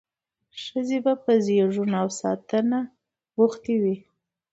ښځې به په زیږون او ساتنه بوختې وې.